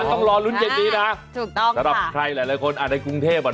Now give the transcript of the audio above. ต้องร้อนรุ้นเย็นดีนะสำหรับใครหลายคนในกรุงเทพ